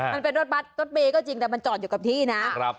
มันเป็นรถบัตรรถเมย์ก็จริงแต่มันจอดอยู่กับที่นะ